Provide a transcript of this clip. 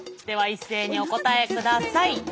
では一斉にお答えください。